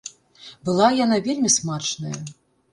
Была яна вельмі смачная.